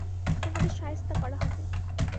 তোমাদের শায়েস্তা করা হবে।